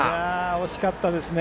惜しかったですね。